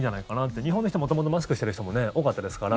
日本の人、元々マスクしてる人も多かったですから。